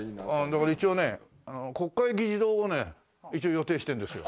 だから一応ね国会議事堂をね一応予定しているんですよ。